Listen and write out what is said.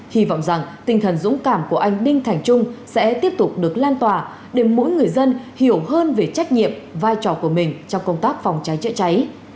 hy vọng rằng tinh thần dũng cảm của anh đinh thành trung sẽ tiếp tục được lan tỏa để mỗi người dân hiểu hơn về trách nhiệm vai trò của mình trong công tác phòng cháy chữa cháy